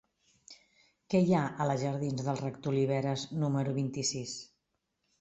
Què hi ha a la jardins del Rector Oliveras número vint-i-sis?